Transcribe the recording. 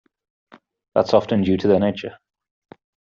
That's often due to their nature.